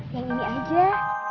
yang ini aja